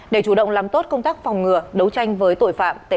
để chủ động làm tốt công tác phòng ngừa đấu tranh với tội phạm